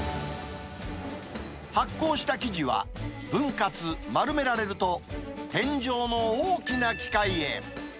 発酵した生地は分割、丸められると、天井の大きな機械へ。